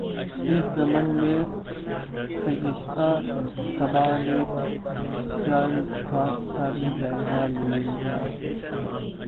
اس ضمن میں خجستہ صاحبہ نے قرار اللغات کا بھی جائزہ لیا